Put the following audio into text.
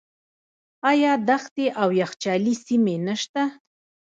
آیا دښتې او یخچالي سیمې نشته؟